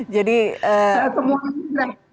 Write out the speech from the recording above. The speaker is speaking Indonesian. jadi semua gratis ya